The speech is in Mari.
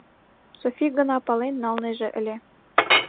Софи гына пален налнеже ыле: